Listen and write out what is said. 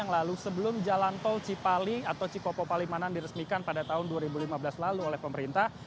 lalu sebelum jalan tol cipali atau cikopo palimanan diresmikan pada tahun dua ribu lima belas lalu oleh pemerintah